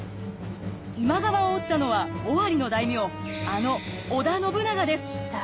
今川を討ったのは尾張の大名あの織田信長です。